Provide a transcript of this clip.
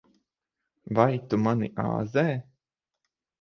Vai tu mani āzē?